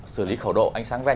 sử lý khẩu độ ánh sáng ven